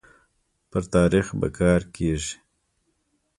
پر تاريخ به کار کيږي